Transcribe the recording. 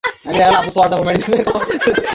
এই মৌসুমে অনেক খেলোয়াড় তাদের হয়ে মাঠে নেমেছে।